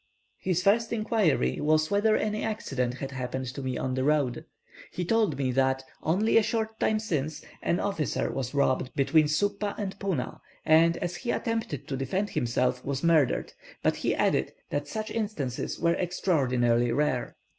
His first inquiry was whether any accident had happened to me on the road. He told me that, only a short time since, an officer was robbed between Suppa and Puna, and as he attempted to defend himself, was murdered; but he added that such instances were extraordinarily rare.